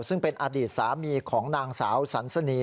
ซึ่งเป็นอดีตสามีของนางสาวสันสนี